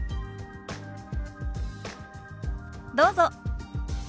どうぞ。